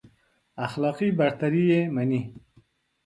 اخلاقي برتري يې مني.